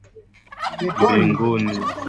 wamepoteza maisha kutokana vitendo unyanyasaji